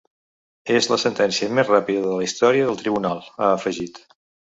És la sentència més ràpida de la història del tribunal –ha afegit–.